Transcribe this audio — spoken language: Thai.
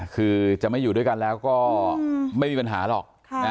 คือจะไม่อยู่ด้วยกันแล้วก็ไม่มีปัญหาหรอก